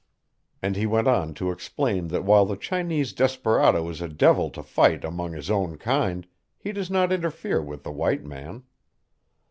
And he went on to explain that while the Chinese desperado is a devil to fight among his own kind, he does not interfere with the white man.